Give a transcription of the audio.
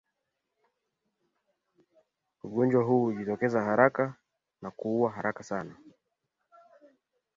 Ugonjwa huu hujitokeza haraka na kuua haraka sana